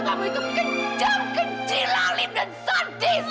kamu itu kejam keji lalim dan sadis